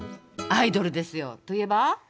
アイドルですよ。といえば？